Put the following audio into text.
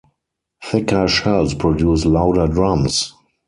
Thicker shells produce louder drums.